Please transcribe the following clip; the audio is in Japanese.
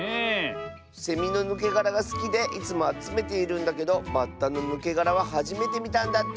セミのぬけがらがすきでいつもあつめているんだけどバッタのぬけがらははじめてみたんだって。